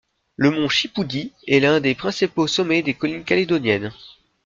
Le mont Chipoudy est l'un des principaux sommets des collines Calédoniennes.